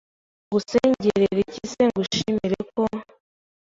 Ngusengerere iki se ngushimire ko